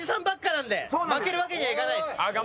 なんで負けるわけにはいかないです。